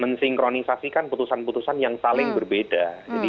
mensinkronisasikan putusan putusan yang saling berbeda